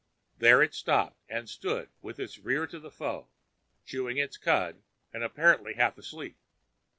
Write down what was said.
There it stopped and stood with its rear to the foe, chewing its cud and apparently half asleep.